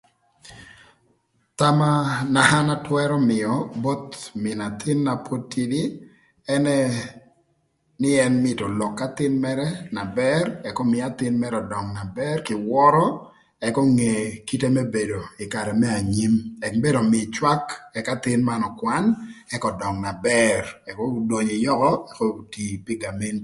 Thama na an atwërö mïö both mïn athïn na pod tïdï ënë nï ën mïtö olok k'athïn mërë na bër ëk ömïï athïn mërë ödöng na bër kï wörö ëk onge kite më bedo ï karë më anyim ëk mënë ömïï cwak ëk athïn man ökwan ëk ödöng na bër ëk odonyi yökö ëk otii pï gamenti.